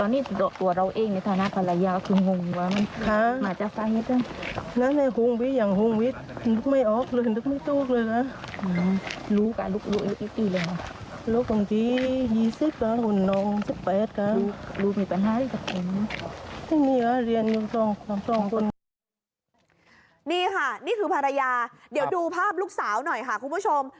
นี่ค่ะนี่คือภรรยาเดี๋ยวดูภาพลูกสาวหน่อยค่ะคุณผู้ชม